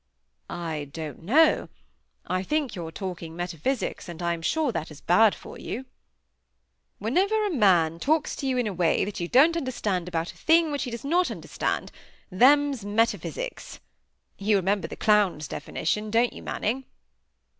"I don't know. I think you're talking metaphysics, and I am sure that is bad for you." "'When a man talks to you in a way that you don't understand about a thing which he does not understand, them's metaphysics.' You remember the clown's definition, don't you, Manning?"